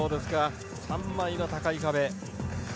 ３枚の高い壁。